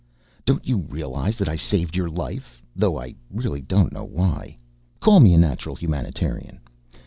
Don't you realize that I saved your life though I really don't know why. Call me a natural humanitarian.